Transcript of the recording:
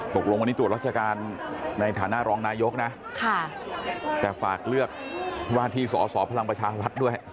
ตกลงวันนี้ตรวจราชการในฐานะรองนายกนะแต่ฝากเลือกว่าที่สอสอพลังประชารัฐด้วย